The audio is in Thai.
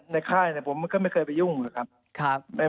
ในค่ายผมก็ไม่เคยไปยุ่งเลยครับ